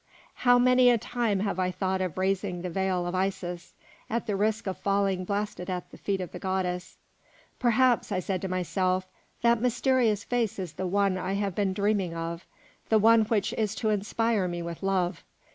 How many a time have I thought of raising the veil of Isis, at the risk of falling blasted at the feet of the goddess. Perhaps, I said to myself, that mysterious face is the one I have been dreaming of, the one which is to inspire me with love.